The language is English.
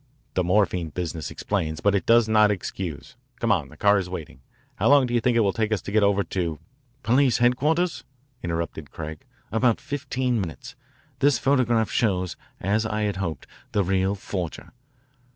The morphine business explains, but it does not excuse. Come on, the car is waiting. How long do you think it will take us to get over to " "Police headquarters?" interrupted Craig. "About fifteen minutes. This photograph shows, as I had hoped, the real forger.